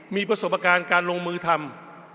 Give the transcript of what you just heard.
มีประสบการณ์การลงมือทำ